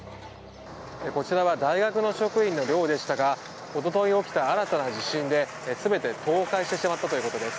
こちらは大学の職員の寮でしたが一昨日起きた新たな地震で、全て倒壊してしまったということです。